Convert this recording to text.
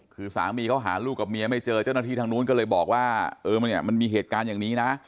คือสามีเขาหาลูกกับเมียไม่เจอเจ้าหน้าที่ทางนู้นก็เลยบอกว่าเออมันเนี่ยมันมีเหตุการณ์อย่างนี้นะ